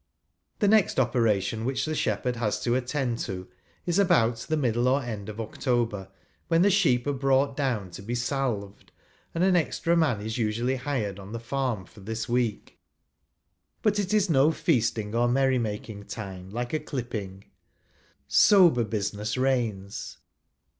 The next operation which the shephei'd has to attend to is about the middle or end of October, when the sheep are bi'ought down to be salved, and an extra man is usually hired on the farm for this week. But it is no feasting or merry making time like a clipping. Sober I business reigns.